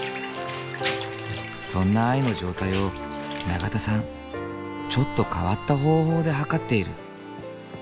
そんな藍の状態を長田さんちょっと変わった方法ではかっている。